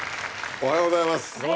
おはようございます。